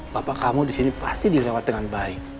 bapak kamu disini pasti dilewat dengan baik